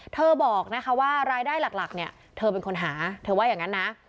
เธอบอกนะคะว่ารายได้หลักเนี่ยเธอเป็นคนหาเธอว่าอย่างนั้นนะ